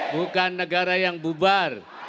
bukan negara yang bubar